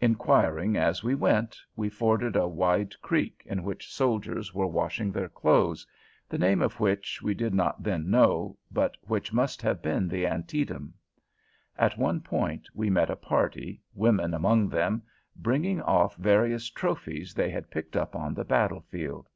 Inquiring as we went, we forded a wide creek in which soldiers were washing their clothes, the name of which we did not then know, but which must have been the Antietam. At one point we met a party, women among them, bringing off various trophies they had picked up on the battlefield.